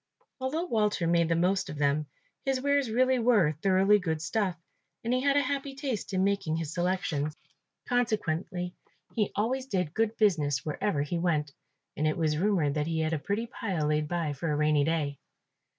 Although Walter made the most of them, his wares really were thoroughly good stuff, and he had a happy taste in making his selections; consequently he always did good business wherever he went, and it was rumoured that he had a pretty pile laid by for a rainy day.